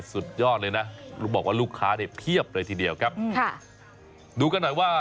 สุดยอดเลยนะบอกว่าลูกค้าเนี่ยเพียบเลยทีเดียวครับค่ะดูกันหน่อยว่า